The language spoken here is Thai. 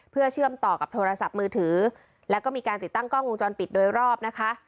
เพื่อเชื่อมต่อกับโทรศัพท์มือถือแล้วก็มีการติดตั้งกล้องวงจรปิดโดยรอบนะคะ